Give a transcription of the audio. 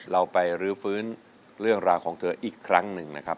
เราไปรื้อฟื้นเรื่องราวของเธออีกครั้งหนึ่งนะครับ